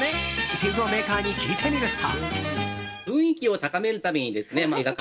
製造メーカーに聞いてみると。